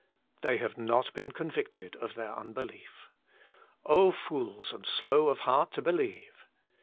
They have not been convicted of their unbe lief. *<OhI fools, and slow of heart to believe.